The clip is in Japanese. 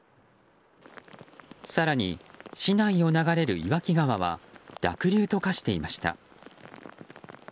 更に、市内を流れる岩木川は濁流と化していました。